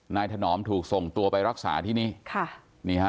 นายถนอมถูกส่งตัวไปรักษาที่นี้พี่